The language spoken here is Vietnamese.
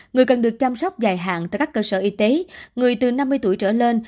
người cần được chăm sóc dài hạn tại các cơ sở y tế người từ năm mươi tuổi trở lên